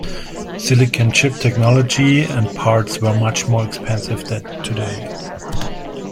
Silicon chip technology and parts were much more expensive than today.